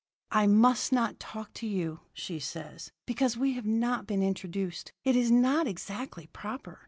"'I must not talk to you,' she says, 'because we have not been introduced. It is not exactly proper.